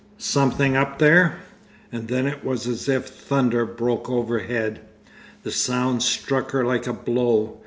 Something up there? And then it was as if thunder broke overhead. The sound struck her like a blow.